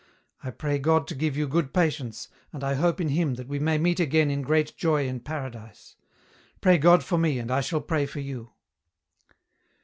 I pray God to give you good patience and I hope in Him that we may meet again in great joy in Paradise. Pray God for me and I shall pray for you."